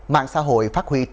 mạng xã hội phát huy tốt